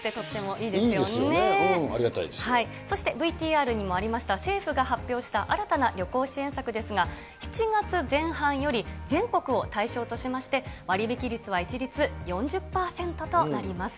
いいですよね、ありがたいでそしてＶＴＲにもありました、政府が発表した新たな旅行支援策ですが、７月前半より全国を対象としまして、割引率は一律４０％となります。